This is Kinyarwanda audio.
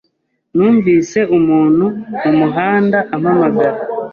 Numvise umuntu mumuhanda ampamagara.